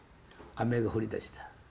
雨が降りだした。